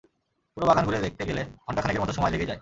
পুরো বাগান ঘুরে দেখতে গেলে ঘণ্টা খানেকের মতো সময় লেগেই যায়।